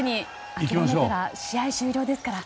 諦めたら試合終了ですから。